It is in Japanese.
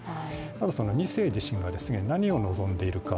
あと２世自身が何を望んでいるか。